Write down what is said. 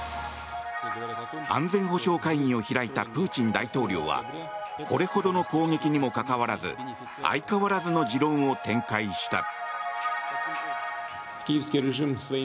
安全保障会議を開いたプーチン大統領はこれほどの攻撃にもかかわらず相変わらずの持論を展開した。